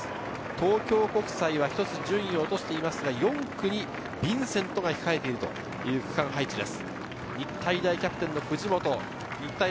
東京国際は１つ順位を落として、４区にヴィンセントが控えているという区間配置です。